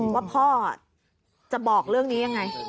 ว่าพ่อจะบอกเรื่องนี้ยังไง